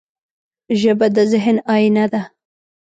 ژبه د ذهن آینه ده